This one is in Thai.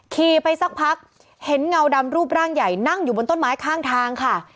ขี่ไปสักพักเห็นเงาดำรูปร่างใหญ่นั่งอยู่บนต้นไม้ข้างทางค่ะ